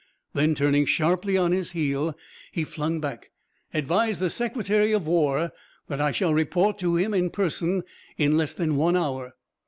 Then, turning sharply on his heel, he flung back, "Advise the Secretary of War that I shall report to him in person in less than one hour."